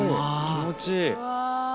気持ちいい！